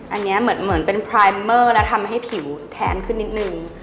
อันนี้เหมือนเป็นพรายเมอร์แล้วทำให้ผิวแทนขึ้นนิดนึง